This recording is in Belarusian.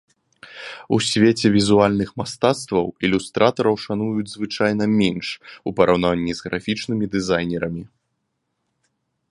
У свеце візуальных мастацтваў ілюстратараў шануюць звычайна менш у параўнанні з графічнымі дызайнерамі.